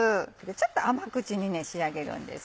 ちょっと甘口に仕上げるんです。